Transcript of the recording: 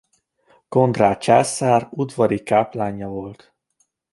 Konrád császár udvari káplánja volt.